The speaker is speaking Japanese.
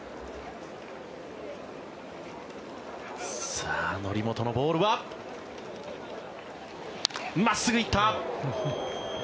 さあ、則本のボールは真っすぐ行った！